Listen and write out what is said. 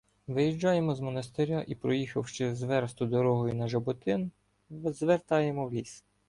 Виїжджаємо з монастиря і, проїхавши з версту дорогою на Жаботин, звертаємо в ліс.